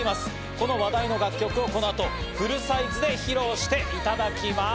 この話題の楽曲をこの後、フルサイズで披露していただきます。